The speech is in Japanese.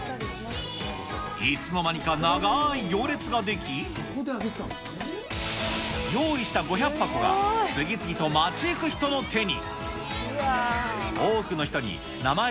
いつの間にか長ーい行列が出来、用意した５００箱が次々と街行く人の手に。